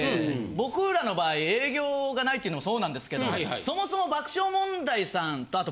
僕らの場合営業がないってのもそうなんですけどそもそも。